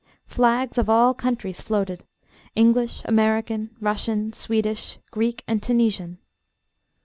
Flags of all countries floated English, American, Russian, Swedish, Greek and Tunisian.